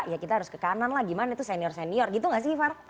ya kita harus ke kanan lah gimana tuh senior senior gitu gak sih var